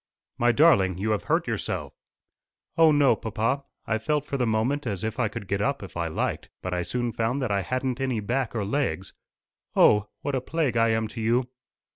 "My darling! You have hurt yourself!" "O no, papa. I felt for the moment as if I could get up if I liked. But I soon found that I hadn't any back or legs. O! what a plague I am to you!"